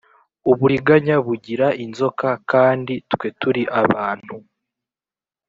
uburiganya bugira inzoka kandi twe turi abantu